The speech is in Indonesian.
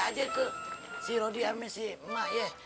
makin gede aja ke si rodi amin si emang ya